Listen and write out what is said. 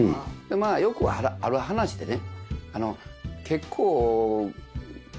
まぁよくある話でね。